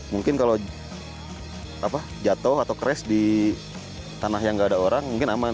mungkin kalau jatuh atau crash di tanah yang nggak ada orang mungkin aman